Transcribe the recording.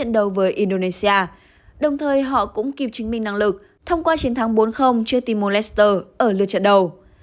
đầu với indonesia đồng thời họ cũng kịp chứng minh năng lực thông qua chiến thắng bốn chơi team molester ở lượt trận đầu